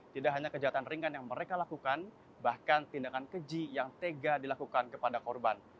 tidak hanya kejahatan ringan yang mereka lakukan bahkan tindakan keji yang tega dilakukan kepada korban